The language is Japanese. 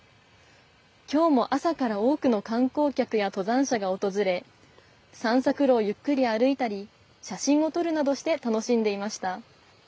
きょうも朝から多くの観光客や登山者が訪れ散策路をゆっくり歩いたり写真を撮るなどして楽しんでいました。